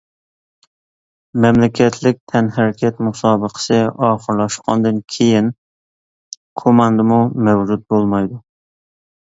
مەملىكەتلىك تەنھەرىكەت مۇسابىقىسى ئاخىرلاشقاندىن كېيىن، كوماندىمۇ مەۋجۇت بولمايدۇ.